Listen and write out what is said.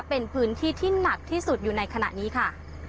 เป็นพื้นที่ที่หนักที่สุดอยู่ในขณะนี้ค่ะ